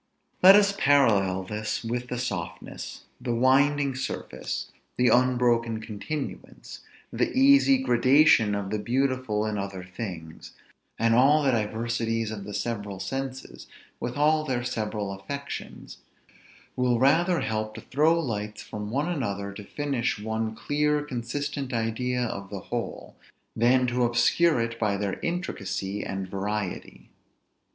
Let us parallel this with the softness, the winding surface, the unbroken continuance, the easy gradation of the beautiful in other things; and all the diversities of the several senses, with all their several affections, will rather help to throw lights from one another to finish one clear, consistent idea of the whole, than to obscure it by their intricacy and variety.